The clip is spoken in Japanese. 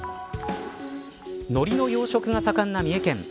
ノリの養殖が盛んな三重県。